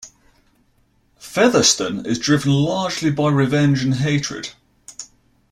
Featherston is driven largely by revenge and hatred.